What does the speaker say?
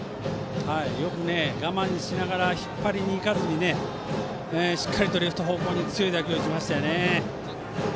よく我慢しながら引っ張りにいかずにしっかりとレフト方向に強い打球を打ちましたよね。